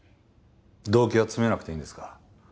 動機は詰めなくていいんですか？